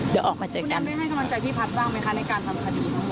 เดี๋ยวออกมาเจอกันได้ให้กำลังใจพี่พัฒน์บ้างไหมคะในการทำคดี